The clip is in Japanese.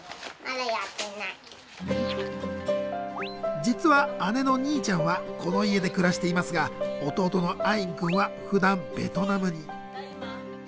実は姉のニーちゃんはこの家で暮らしていますが弟のアインくんはふだんベトナムに。